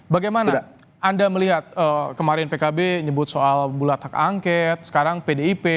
bagaimana anda melihat kemarin pkb nyebut soal bulat hak angket sekarang pdip